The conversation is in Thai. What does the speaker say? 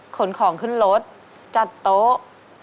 ขนของขึ้นรถจัดโต๊ะ